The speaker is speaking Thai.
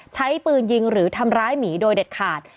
ใช้ปืนยิงหรือทำร้ายหมีโดยเด็ดขาด